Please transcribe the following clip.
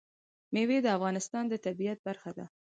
مېوې د افغانستان د طبیعت برخه ده.